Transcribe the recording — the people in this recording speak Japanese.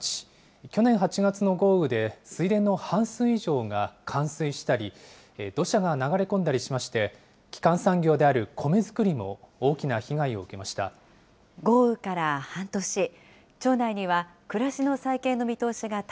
去年８月の豪雨で、水田の半数以上が冠水したり、土砂が流れ込んだりしまして、基幹産業であるコメ作りも大きな被害を受けました。